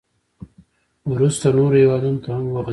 • وروسته نورو هېوادونو ته هم وغځېد.